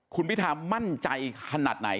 คุณพิธามั่นใจขนาดไหน